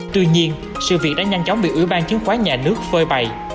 tuy nhiên sự việc đã nhanh chóng bị ủy ban chứng khoán nhà nước phơi bày